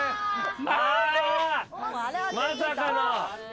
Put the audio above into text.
あ！まさかの。